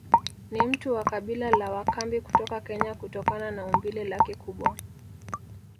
Ni mtu wa kabila la wakambi kutoka Kenya kutokana na umbile lake kubwa